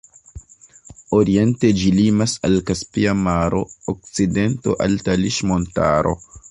Oriente ĝi limas al Kaspia maro, okcidento al Taliŝ-Montaro.